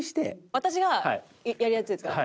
私がやるやつですか？